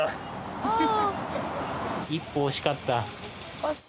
一歩惜しかった。